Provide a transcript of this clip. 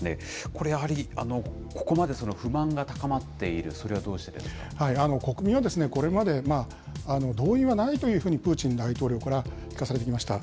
これ、やはりここまで不満が高ま国民はこれまで、動員はないというふうにプーチン大統領から、聞かされてきました。